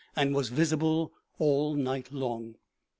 and was visible all night long.